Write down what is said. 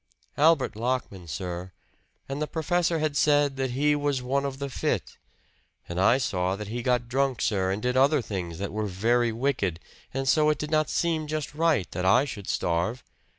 "Albert Lockman, sir. And the professor had said that he was one of the fit; and I saw that he got drunk, sir, and did other things that were very wicked, and so it did not seem just right that I should starve.